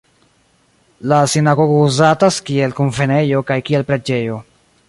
La sinagogo uzatas kiel kunvenejo kaj kiel preĝejo.